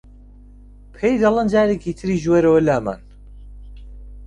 پێی دەڵێن جارێکی تریش وەرەوە لامان